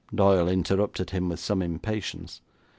Doyle interrupted him with some impatience.